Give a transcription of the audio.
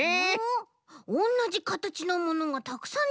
おんなじかたちのものがたくさんでてきたけど。